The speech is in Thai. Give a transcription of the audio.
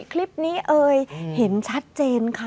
คลิปนี้เอ่ยเห็นชัดเจนค่ะ